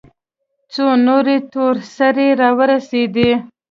څو نورې تور سرې راورسېدې.